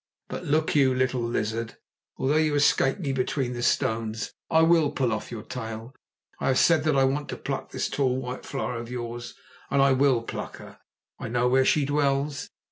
But look you, little lizard, although you escape me between the stones, I will pull off your tail. I have said that I want to pluck this tall white flower of yours, and I will pluck her. I know where she dwells.